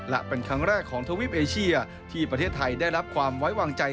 และเป็นครั้งแรกของทวีปเอเชียที่ประเทศไทยได้รับความไว้วางใจ